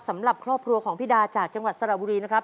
สำหรับครอบครัวของพี่ดาจากจังหวัดสระบุรีนะครับ